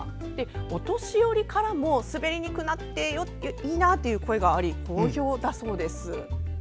お年寄りからも滑りにくくなっていいなという声もあり好評だそうです。